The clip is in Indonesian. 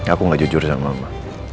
aku gak jujur sama mama